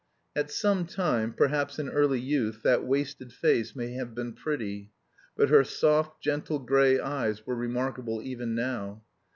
At some time, perhaps in early youth, that wasted face may have been pretty; but her soft, gentle grey eyes were remarkable even now.